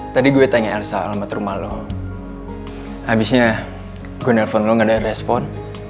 tadi gue tanya elsa alamat rumah lo abisnya gue nelfon lo gak ada respon